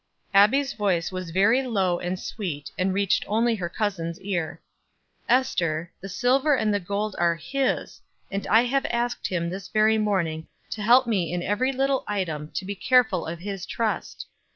Abbie's voice was very low and sweet, and reached only her cousin's ear. "Ester, 'the silver and the gold are His,' and I have asked Him this very morning to help me in every little item to be careful of His trust.